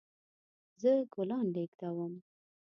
زه ګلان لیږدوم